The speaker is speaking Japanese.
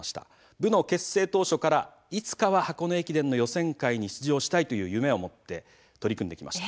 部の結成当初からいつかは箱根駅伝の予選会に出場したいという夢を持って取り組んできました。